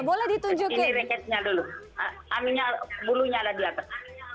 boleh ditunjukkan reketnya dulu aminya bulunya ada di atas